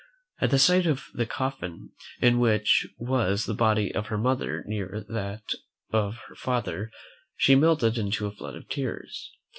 At the sight of the coffin, in which was the body of her mother near that of her father, she melted into a flood of tears.